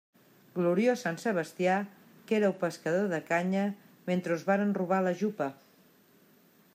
Gloriós sant Sebastià, que éreu pescador de canya mentre us varen robar la jupa.